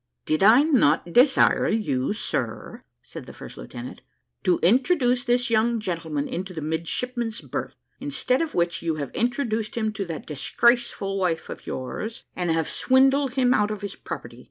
"Did not I desire you, sir," said the first lieutenant, "to introduce this young gentleman into the midshipmen's berth? instead of which you have introduced him to that disgraceful wife of yours, and have swindled him out of his property.